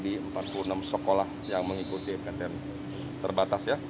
di empat puluh enam sekolah yang mengikuti fktm terbatas